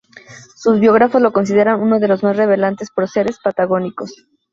Sus biógrafos lo consideran uno de los más relevantes próceres patagónicos.